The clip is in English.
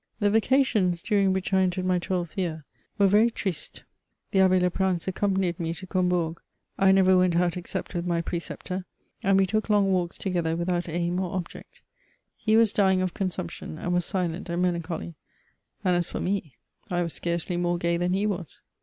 The vacations, during which I entered my twelfth year, were very triste. The Abb^ Leprince accompanied me to Com* bourg. I never went out except with my preceptor : and we took long walks together without aim or object. He was dying of consumption, and was silent and melancholy : and, as for me, I was scarcely more gay than he was.